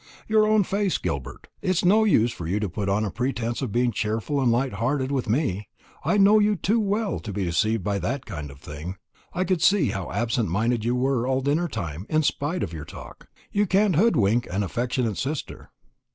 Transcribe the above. "Your own face, Gilbert. It's no use for you to put on a pretence of being cheerful and light hearted with me. I know you too well to be deceived by that kind of thing I could see how absent minded you were all dinner time, in spite of your talk. You can't hoodwink an affectionate sister."